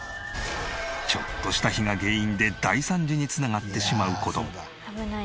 ちょっとした火が原因で大惨事に繋がってしまう事も。